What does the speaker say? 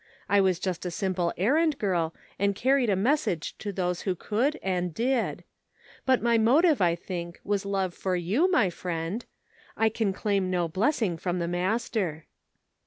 I was just a simple errand girl and carried a message to those who could and did ; but my motive, I think, was love for you, my friend ; I can claim no blessing from the Master."